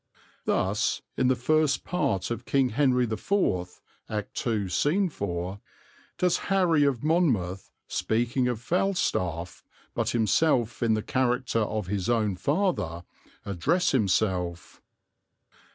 Thus, in the first part of King Henry IV (Act ii. scene 4), does Harry of Monmouth, speaking of Falstaff, but himself in the character of his own father, address himself.